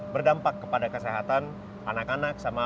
berdampak kepada kesehatan anak anak